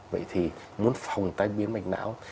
vậy thì muốn phòng tai biến mạch não